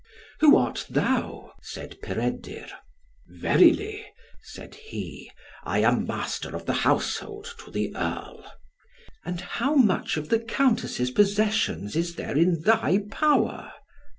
"Who art thou?" said Peredur. "Verily," said he, "I am Master of the Household to the earl." "And how much of the Countess's possessions is there in thy power?"